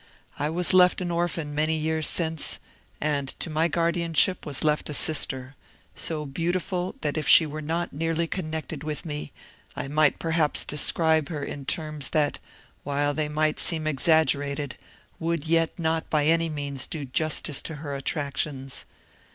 I was left an orphan many years since, and to my guardianship was left a sister, so beautiful, that if she were not nearly connected with me, I might perhaps describe her in terms that, while they might seem exaggerated, would yet not by any means do justice to her attractions.